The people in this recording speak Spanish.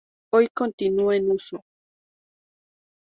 Hoy continúa en uso.